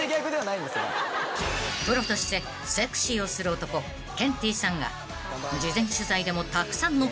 ［プロとしてセクシーをする男ケンティーさんが事前取材でもたくさんの］